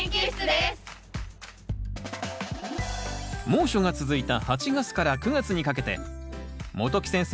猛暑が続いた８月から９月にかけて元木先生